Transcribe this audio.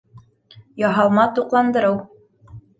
Яһалма туҡландырыу